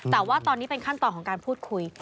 แต่ว่าตอนนี้เป็นขั้นตอนของการพูดคุย